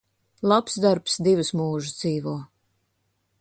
Labs darbs divus mūžus dzīvo.